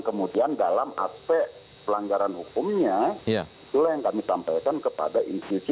pertanyaan saya selanjutnya begini bang masinton